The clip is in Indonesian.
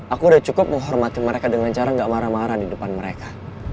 aku udah cukup menghormati mereka dengan cara gak marah marah di depan mereka